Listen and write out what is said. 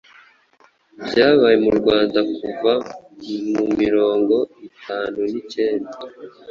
bwabaye mu Rwanda kuva mu mirongo itanu nicyenda